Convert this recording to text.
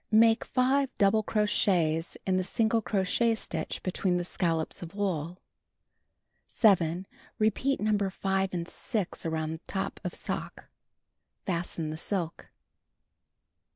Make 5 double crochets in the single crochet stitch between the scallops of wool. 7. Repeat No. 5 and 6 around top of sock. Fasten the silk.